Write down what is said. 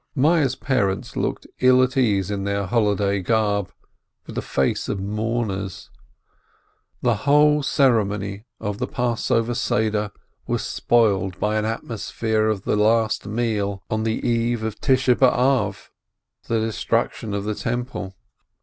Meyerl's parents looked ill at ease in their holiday garb, with the faces of mourners. The whole ceremony of the Passover home service was spoilt by an atmos phere of the last meal on the Eve of the Fast of the 488 SCHAPIRO Destruction of the Temple.